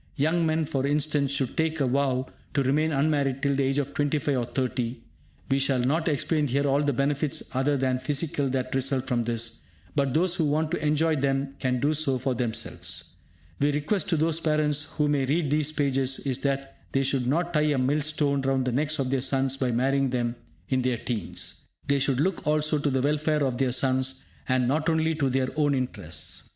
Young men, for instance, should take a vow to remain unmarried till the age of 25 or 30. We shall not explain here all the benefits other than physical that result from this; but those who want to enjoy them can do so for themselves. My request to those parents who may read these pages is that they should not tie a mill stone round the necks of their sons by marrying them in their teens. They should look also to the welfare of their sons, and not only to their own interests.